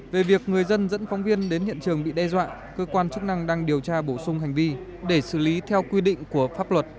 về việc người dân dẫn phóng viên đến hiện trường bị đe dọa cơ quan chức năng đang điều tra bổ sung hành vi để xử lý theo quy định của pháp luật